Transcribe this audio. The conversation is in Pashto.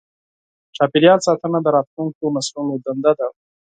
چاپېریال ساتنه د راتلونکو نسلونو دنده ده.